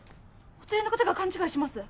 お連れの方が勘違いします